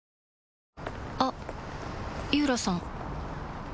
あっ井浦さん